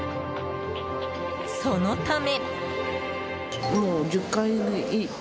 そのため。